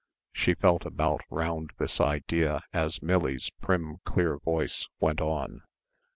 she felt about round this idea as Millie's prim, clear voice went on